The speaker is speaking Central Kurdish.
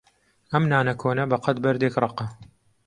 ئەم نانە کۆنە بەقەد بەردێک ڕەقە.